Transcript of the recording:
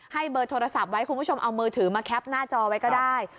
เบอร์โทรศัพท์ไว้คุณผู้ชมเอามือถือมาแคปหน้าจอไว้ก็ได้